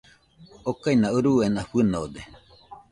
Okaina uruena fɨnode.